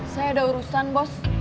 saya ada urusan bos